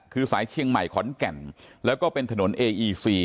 คือสายเชียงใหม่ขอนแก่นแล้วก็เป็นถนนเออีซี